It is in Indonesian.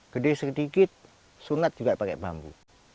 gede sedikit sunat juga pakai bambu